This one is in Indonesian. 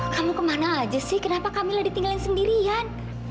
kamu ke mana aja sih kenapa kamila ditinggalin sendirian